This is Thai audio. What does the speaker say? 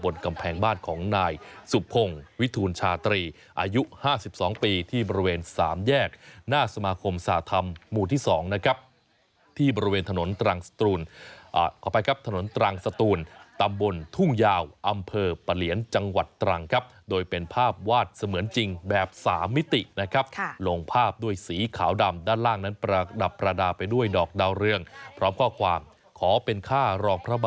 สงค์วิทูรชาตรีอายุ๕๒ปีที่บริเวณสามแยกหน้าสมาคมสาธารณ์หมู่ที่๒นะครับที่บริเวณถนนตรังศตูลอ่าเอาไปครับถนนตรังศตูลตำบลทุ่งยาวอำเภอปะเหลียนจังหวัดตรังครับโดยเป็นภาพวาดเสมือนจริงแบบ๓มิตินะครับลงภาพด้วยสีขาวดำด้านล่างนั้นปรดับประดาษไปด้วยดอกดาวเรืองพร้อ